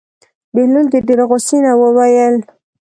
بهلول د ډېرې غوسې نه وویل.